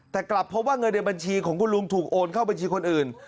แต่กลับพบว่าเงินในบัญชีของคุณลุงถูกโอนเข้าบัญชีคนอื่น